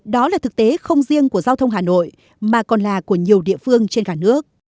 đó là thực tế không riêng của giao thông hà nội mà còn là của nhiều địa phương trên cả nước